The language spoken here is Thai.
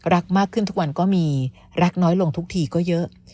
รักมากขึ้นทุกวันก็มีรักน้อยลงทุกทีก็เยอะ